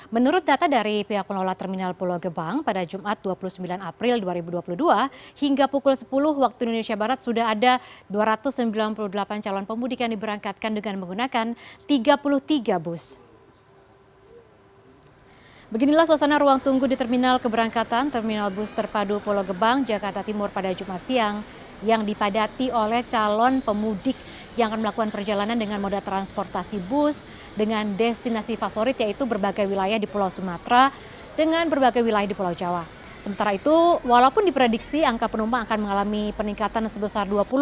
menurut data dari pihak penolak terminal pulau gebang pada jumat dua puluh sembilan april dua ribu dua puluh dua hingga pukul sepuluh waktu indonesia barat sudah ada dua ratus sembilan puluh delapan calon pemudik yang diberangkatkan dengan menggunakan tiga puluh tiga bus